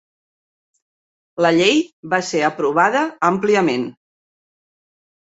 La llei va ser aprovada àmpliament.